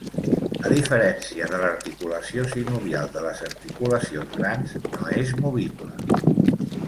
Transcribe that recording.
A diferència de l'articulació sinovial de les articulacions grans, no és movible.